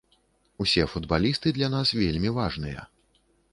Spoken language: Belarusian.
Усе футбалісты для нас вельмі важныя.